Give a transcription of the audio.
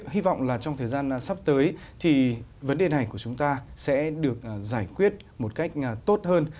hy vọng là trong thời gian sắp tới thì vấn đề này của chúng ta sẽ được giải quyết một cách tốt hơn